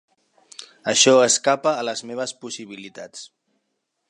Això escapa a les meves possibilitats.